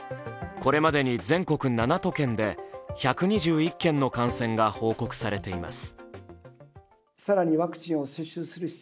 これまでに全国７都県で１２１件の感染が報告されています。